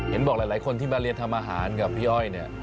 บอกหลายคนที่มาเรียนทำอาหารกับพี่อ้อยเนี่ย